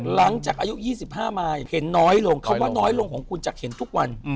อายุ๒๕มาเห็นน้อยลงคำว่าน้อยลงของคุณจากเห็นทุกวัน